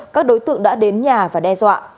các đối tượng đã đến nhà và đe dọa